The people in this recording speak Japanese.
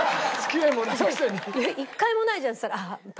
「一回もないじゃん」っつったら。